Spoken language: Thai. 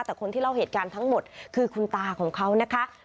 แต่คนที่เล่าเหตุการณ์ทั้งหมดคือคุณตาของเขานะคะ